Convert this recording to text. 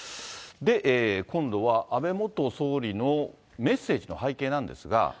で、今度は、安倍元総理のメッセージの背景なんですが。